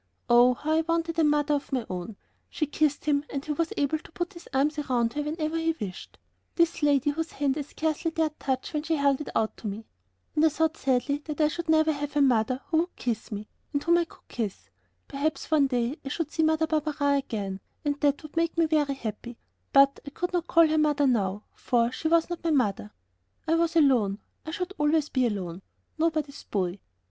Oh, how I wanted a mother of my own! She kissed him, and he was able to put his arms around her whenever he wished, this lady whose hand I scarcely dared touch when she held it out to me. And I thought sadly that I should never have a mother who would kiss me and whom I could kiss. Perhaps one day I should see Mother Barberin again, and that would make me very happy, but I could not call her mother now, for she was not my mother.... I was alone.... I should always be alone.... Nobody's boy.